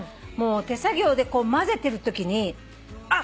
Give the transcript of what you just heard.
手作業で混ぜてるときにあっ